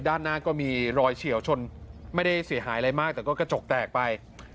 ด้านหน้าก็มีรอยเฉียวชนไม่ได้เสียหายอะไรมากแต่ก็กระจกแตกไป